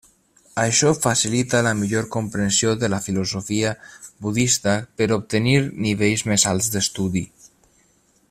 Això facilita la millor comprensió de la filosofia budista per obtenir nivells més alts d'estudi.